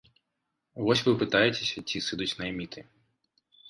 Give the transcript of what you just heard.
Вось вы пытаецеся, ці сыдуць найміты.